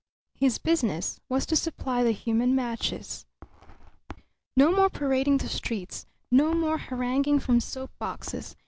His business was to supply the human matches. No more parading the streets, no more haranguing from soap boxes.